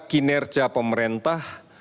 sebagai data kinerja pemerintah